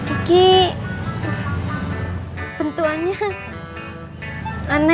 sekarang juga repeat biar tiba